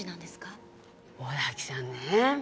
尾崎さんね。